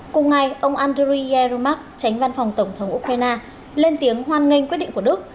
cùng ngày ông andriy yermak tránh văn phòng tổng thống ukraine lên tiếng hoan nghênh quyết định của đức